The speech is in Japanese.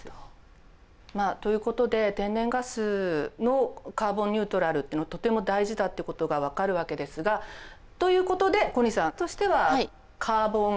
ということで天然ガスのカーボンニュートラルっていうのはとても大事だってことが分かるわけですがということで小西さんとしてはカーボンオフセットの仕組みを